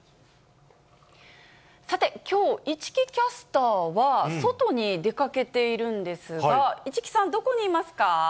さて、きょう、市來キャスターは外に出かけているんですが、市來さん、どこにいますか？